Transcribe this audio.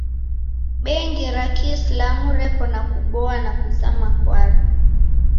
Bengi ra kiisilamu reko na kuboa na kuzama kwaro.